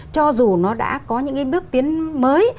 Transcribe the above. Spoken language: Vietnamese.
cho dù nó đã có những bước tiến mới